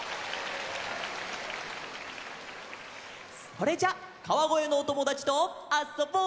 それじゃあ川越のおともだちとあっそぼう！